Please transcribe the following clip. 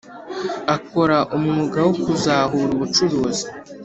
Akora umwuga wo kuzahura ubucuruzi